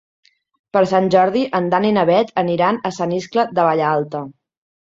Per Sant Jordi en Dan i na Bet aniran a Sant Iscle de Vallalta.